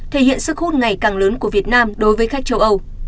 thể hiện sức hút ngày càng lớn của việt nam đối với khách châu âu